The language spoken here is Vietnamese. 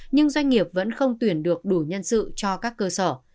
nhưng doanh nghiệp vẫn không tuyển được đủ nhân sự cho các cơ sở